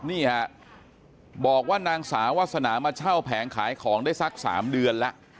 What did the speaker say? นี่ฮะบอกว่านางสาววาสนามาเช่าแผงขายของได้สัก๓เดือนแล้ว